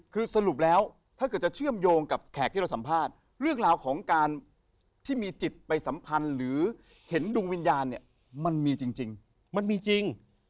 คือสรุปแล้วถ้าเกิดจะเชื่อมโยงกับแขกที่เราสัมภาษณ์เรื่องราวของการที่มีจิตไปสัมพันธ์หรือเห็นดวงวิญญาณเนี่ยมันมีจริงมันมีจริง